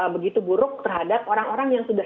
begitu buruk terhadap orang orang yang sudah